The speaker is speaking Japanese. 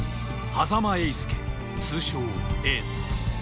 波佐間永介通称・エース